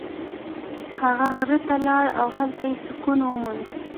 هغه غره ته لاړ او هلته یې سکون وموند.